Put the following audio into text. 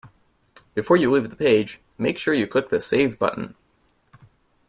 Before you leave the page, make sure you click the save button